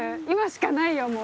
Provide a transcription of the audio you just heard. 今しかないよ